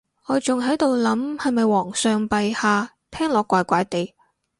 我仲喺度諗係咪皇上陛下，聽落怪怪哋